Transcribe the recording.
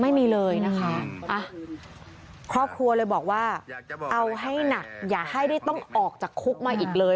ไม่มีเลยนะคะอ่ะครอบครัวเลยบอกว่าเอาให้หนักอย่าให้ได้ต้องออกจากคุกมาอีกเลย